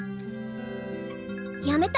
やめた。